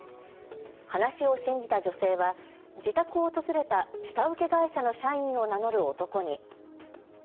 話を信じた女性は自宅を訪れた下請け会社の社員を名乗る男に。